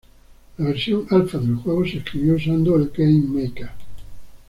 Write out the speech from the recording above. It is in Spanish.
La versión alfa del juego se escribió usando el Game Maker.